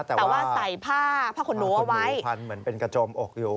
แต่ว่าใส่ผ้าขนูพันธุ์เหมือนเป็นกระโจมอกอยู่